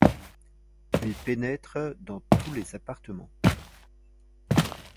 Il pénètre dans tous les appartements.